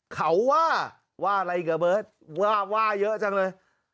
เขาว่าว่าอะไรอีกอ่ะเบิร์ตว่าเยอะจังเลย